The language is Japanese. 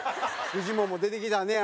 フジモンも出てきたね